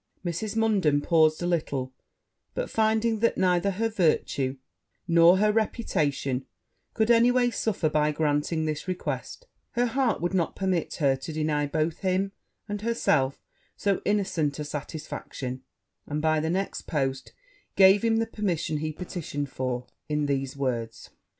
Mrs. Munden paused a little; but finding that neither her virtue nor her reputation could any way suffer by granting this request, her heart would not permit her to deny both him and herself so innocent a satisfaction; and by the next post gave him the permission he petitioned for, in these words.